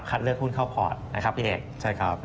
เลือกหุ้นเข้าพอร์ตนะครับพี่เอก